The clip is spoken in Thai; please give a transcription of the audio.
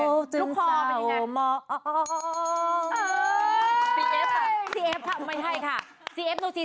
ลูกคอมันซะโฮโฮโฮโฮโฮ